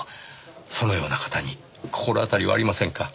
そのような方に心当たりはありませんか？